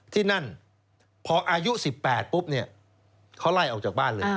ที่นั่นพออายุ๑๘ปุ๊บเนี่ยเขาไล่ออกจากบ้านเลย